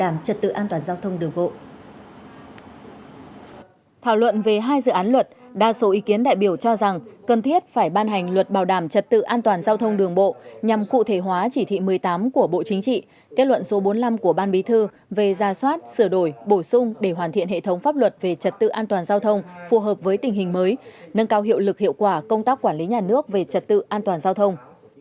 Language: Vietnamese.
một số ý kiến đại biểu cho rằng cần thiết phải ban hành luật bảo đảm trật tự an toàn giao thông đường bộ nhằm cụ thể hóa chỉ thị một mươi tám của bộ chính trị kết luận số bốn mươi năm của ban bí thư về ra soát sửa đổi bổ sung để hoàn thiện hệ thống pháp luật về trật tự an toàn giao thông phù hợp với tình hình mới nâng cao hiệu lực hiệu quả công tác quản lý nhà nước về trật tự an toàn giao thông